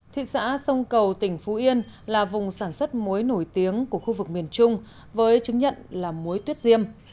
thị xã sông cầu tỉnh phú yên là vùng sản xuất muối nổi tiếng của khu vực miền trung với chứng nhận là muối tuyết diêm